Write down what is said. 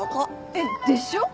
えっでしょ！？